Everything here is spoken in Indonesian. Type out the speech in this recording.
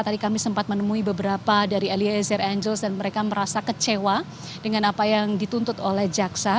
tadi kami sempat menemui beberapa dari eliezer angel dan mereka merasa kecewa dengan apa yang dituntut oleh jaksa